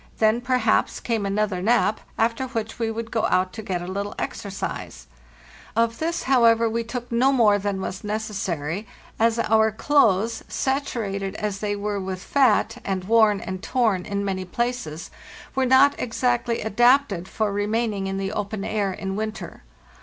Then, perhaps, came another nap, after which we would go out (to wet a little exercise: Of this, however, we took no more than was necessary, as our clothes, saturated as they were with fat, and worn and torn in many places, were not exactly adapted for remaining in the open air in winter.